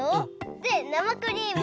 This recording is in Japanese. でなまクリーム。